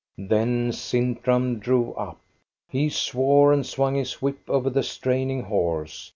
Then Sintram drove up. He swore and swung his whip over the straining horse.